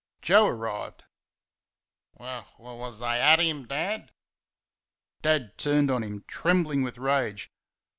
Joe arrived. "W w wuz they at him, Dad?" Dad turned on him, trembling with rage.